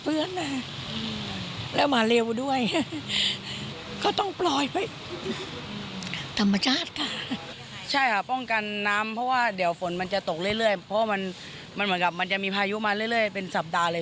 เร็วแล้วก็เยอะพี่เค้าบอกว่า๒๐ปีอ่ะพี่